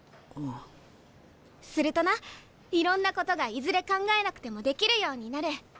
するとな「いろんなことがいずれ考えなくてもできるようになる。